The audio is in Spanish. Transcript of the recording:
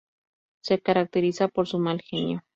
Se caracteriza por su mal genio.